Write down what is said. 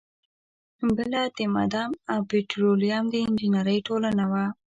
بله د معدن او پیټرولیم د انجینری ټولنه وه.